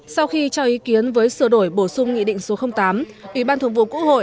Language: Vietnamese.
sau khi cho ý kiến với sửa đổi bổ sung nghị định số tám ủy ban thường vụ quốc hội